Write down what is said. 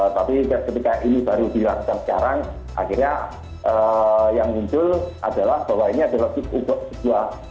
tapi ketika ini baru dilakukan sekarang akhirnya yang muncul adalah bahwa ini adalah sebuah